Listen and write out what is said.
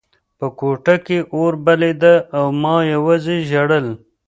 په کوټه کې اور بلېده او ما یوازې ژړل